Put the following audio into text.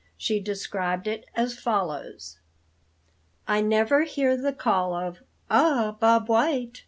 She described it as follows: "I never hear the call of 'Ah, Bob White!'